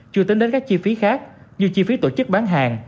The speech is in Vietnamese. chưa tính đến các chi phí khác như chi phí tổ chức bán hàng